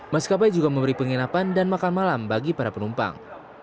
maskapai juga memberi penginapan dan makan malam bagi para penumpang